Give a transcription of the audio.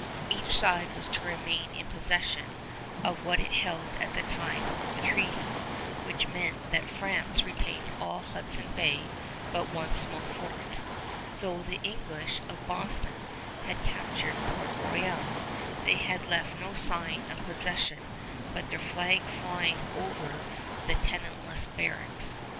Each side was to remain in possession of what it held at the time of the treaty, which meant that France retained all Hudson Bay but one small fort. Though the English of Boston had captured Port Royal, they had left no sign of possession but their flag flying over the tenantless barracks.